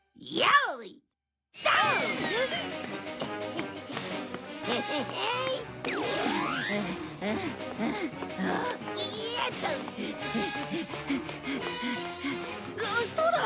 あっそうだ！